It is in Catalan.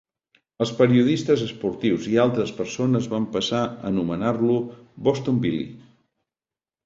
Els periodistes esportius i altres persones van passar a anomenar-lo "Boston Billy".